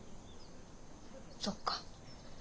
そっか。